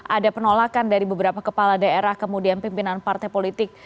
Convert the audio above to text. ada penolakan dari beberapa kepala daerah kemudian pimpinan partai politik